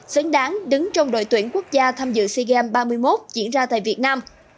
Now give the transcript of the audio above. xứng đáng đứng trong đội tuyển quốc gia tham dự sea games ba mươi một diễn ra tại việt nam